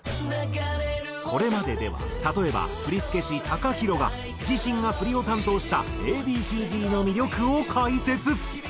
これまででは例えば振付師ＴＡＫＡＨＩＲＯが自身が振りを担当したＡ．Ｂ．Ｃ−Ｚの魅力を解説。